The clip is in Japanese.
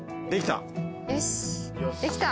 よしできた。